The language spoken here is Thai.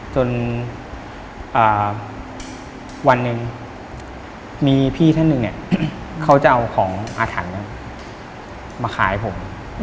จนวันหนึ่งมีพี่ท่านหนึ่งเขาจะเอาของอาถรรพ์มาขายผม